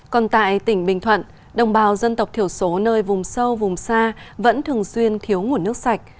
còn tại tỉnh bình thuận đồng bào dân tộc thiểu số nơi vùng sâu vùng xa vẫn thường xuyên thiếu nguồn nước sạch